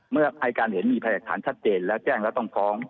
เมื่ออายการเห็นมีพยากฐานชัดเจนแล้วแจ้งแล้วต้องฟ้อง